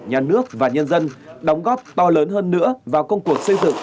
nhà nước và nhân dân đóng góp to lớn hơn nữa vào công cuộc xây dựng